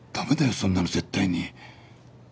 そんなの絶対に。